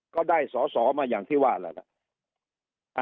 ก็ได้สอสอมาอย่างที่ว่าแล้วล่ะ